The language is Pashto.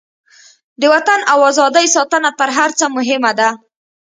د وطن او ازادۍ ساتنه تر هر څه مهمه ده.